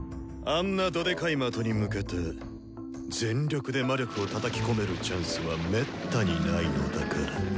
あんなどデカい的に向けて全力で魔力をたたき込めるチャンスはめったにないのだから。